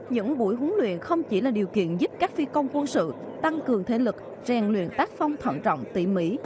những buổi huấn luyện không chỉ là điều kiện giúp các phi công quân sự tăng cường thể lực rèn luyện tác phong thận trọng tỉ mỉ